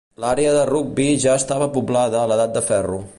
L'àrea de Rugby ja estava poblada a l'edat del ferro.